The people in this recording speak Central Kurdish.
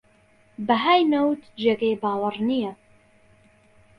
بەهای نەوت جێگەی باوەڕ نییە